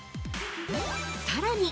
◆さらに！